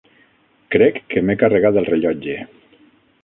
Crec que m'he carregat el rellotge.